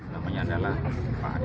namanya adalah pak aditya